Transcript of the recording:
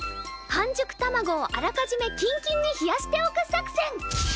半熟卵をあらかじめキンキンに冷やしておく作戦！